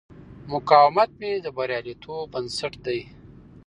مقاومت مې د بریالیتوب بنسټ دی.